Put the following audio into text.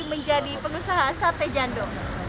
menjadi pengusaha sate jando